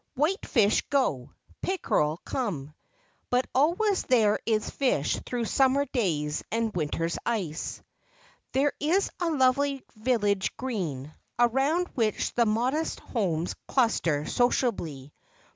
"White fish go: pickerel come" but always there is fish through summer days and winter's ice. There is a lovely village Green, around which the modest homes cluster sociably.